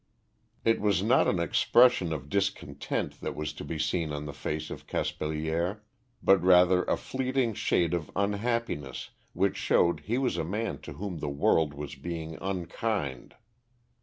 It was not an expression of discontent that was to be seen on the face of Caspilier, but rather a fleeting shade of unhappiness which showed he was a man to whom the world was being unkind.